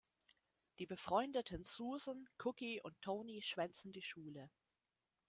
Die befreundeten Susan, Cookie und Tony schwänzen die Schule.